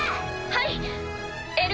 はい！